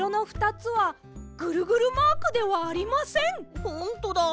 ほんとだ。